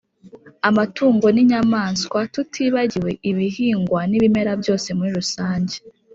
amatungo n’inyamaswa, tutibagiwe ibihingwa n’ibimera byose muri rusange